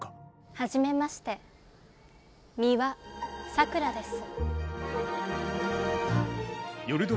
はじめまして美羽さくらです。